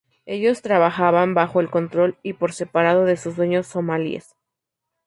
Ellos trabajaban bajo el control y por separado de sus dueños somalíes.